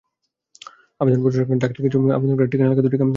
আবেদনপত্রের সঙ্গে ডাকটিকিটসহ আবেদনকারীর ঠিকানা লেখা দুটি খাম দাখিল করতে হবে।